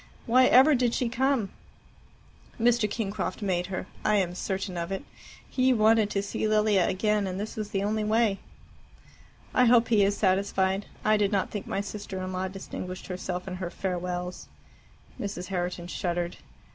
Why ever did she come?" "Mr. Kingcroft made her. I am certain of it. He wanted to see Lilia again, and this was the only way." "I hope he is satisfied. I did not think my sister in law distinguished herself in her farewells." Mrs. Herriton shuddered.